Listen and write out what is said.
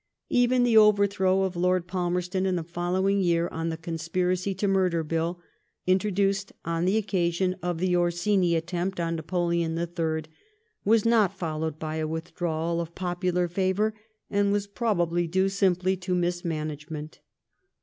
Even the overthrow of Lord Palmerston in the fol lowing year on the Conspiracy to Murder Bill, introduced on the occasion of the Orsini attempt on Napoleon HI., was not followed by a withdrawal of popular favour, and was probably due simply to mis management.